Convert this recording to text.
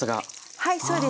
はいそうです。